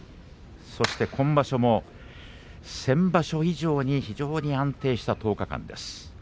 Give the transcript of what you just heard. そして今場所も先場所以上に非常に安定した１０日間です。